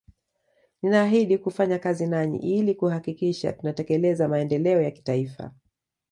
Ninaahidhi kufanya kazi nanyi ili kuhakikisha tunatekeleza maendeleo ya kitaifa